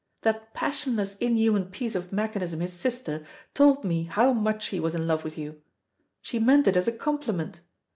That passionless inhuman piece of mechanism, his sister, told me how much he was in love with you. She meant it as a compliment.